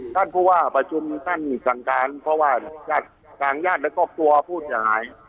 ท่านผู้ว่าประชุมท่านสั่งการเพราะว่าทางญาติและครอบครัวผู้เสียหาย